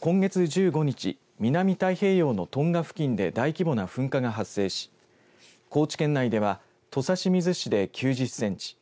今月１５日南太平洋のトンガ付近で大規模な噴火が発生し高知県内では土佐清水市で９０センチ